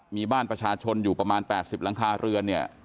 มีบ้านประชาชนอยู่ประมาณ๘๐หลังคาเรือนเนี่ย